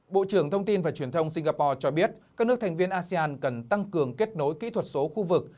bộ trưởng thông tin và truyền thông singapore cho biết các nước thành viên asean cần tăng cường kết nối kỹ thuật số khu vực